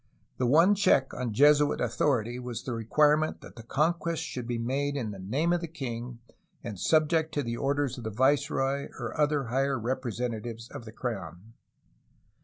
The one check on Jesuit authority was the requirement that the conquest should be made in the name of the king and subject to the orders of the viceroy or other higher representatives of the crown.